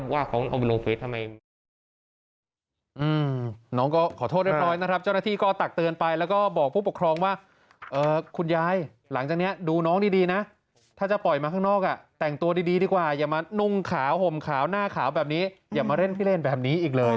ว่าเขาเอาเป็นลงเฟซทำไม